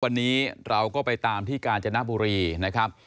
วันนี้เราก็ไปตามที่กาญจนบุรีนะครับ